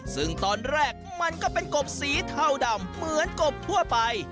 ซึ่งตอนแรกมันก็เป็นกบสีเทาดำเหมือนกบทั่วไป